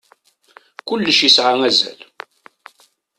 Kullec yesɛa azal.